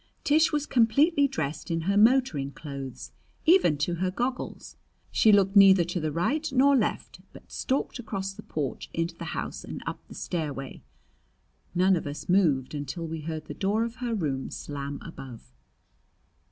Tish was completely dressed in her motoring clothes, even to her goggles. She looked neither to the right nor left, but stalked across the porch into the house and up the stairway. None of us moved until we heard the door of her room slam above.